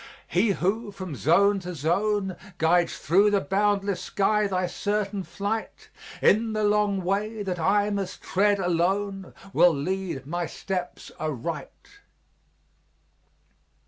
He who, from zone to zone, Guides through the boundless sky thy certain flight, In the long way that I must tread alone, Will lead my steps aright.